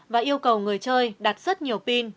và yêu cầu người chơi đặt rất nhiều pin